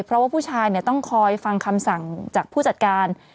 เพราะว่าผู้ชายต้องคอยฟังคำสั่งจากผู้จัดการ